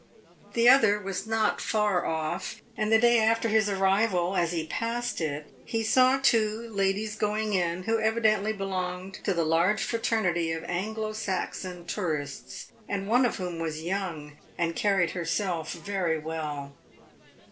The other was not far off, and the day after his arrival, as he passed it, he saw two ladies going in who evidently belonged to the large fraternity of Anglo Saxon tourists, and one of whom was young and carried herself very well.